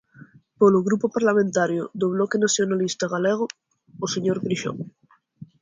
Polo Grupo Parlamentario do Bloque Nacionalista Galego, o señor Grixó.